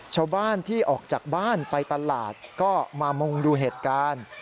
ชาวบ้านที่ออกจากบ้านไปตลาดก็มามุงดูเหตุการณ์